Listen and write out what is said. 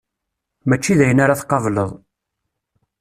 Mačči d ayen ara tqableḍ.